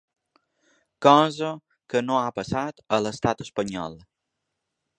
Cosa que no ha passat a l’estat espanyol.